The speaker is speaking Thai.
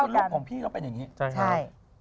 อันนี้รูปของพี่เราเป็นอย่างนี้